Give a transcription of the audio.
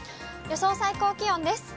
予想最高気温です。